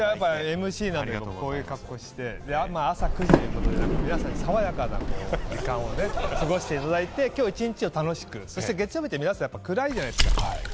ＭＣなんで、こういう格好して、朝９時なので、皆さんに爽やかな時間を過ごしていただいて、きょう一日を楽しく、そして月曜日って皆さん暗いじゃないですか。